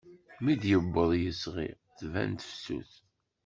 Mi d-iwweḍ yisɣi, tban tefsut.